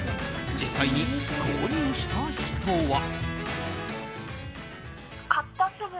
実際に購入した人は。